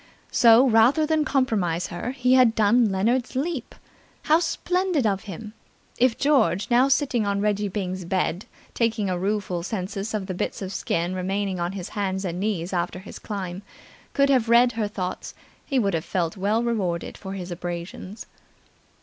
So rather than compromise her, he had done Leonard's leap! How splendid of him! If George, now sitting on Reggie Byng's bed taking a rueful census of the bits of skin remaining on his hands and knees after his climb, could have read her thoughts, he would have felt well rewarded for his abrasions.